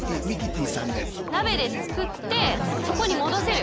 「鍋で作ってそこに戻せる」？